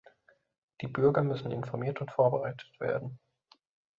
Die Bürger müssen informiert und vorbereitet werden.